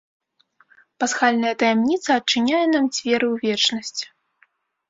Пасхальная таямніца адчыняе нам дзверы ў вечнасць.